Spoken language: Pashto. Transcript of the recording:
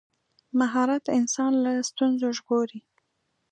مهارت انسان له ستونزو ژغوري.